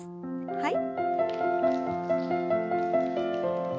はい。